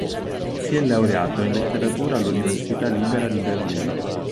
Si è laureato in letteratura all'Università libera di Berlino.